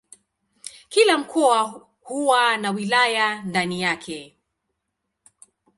Kila mkoa huwa na wilaya ndani yake.